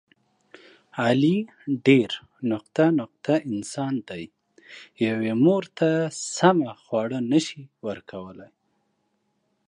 علي ډېر..... انسان دی. یوې مور ته سمه خواړه نشي ورکولی.